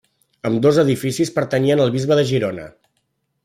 Ambdós edificis pertanyien al bisbe de Girona.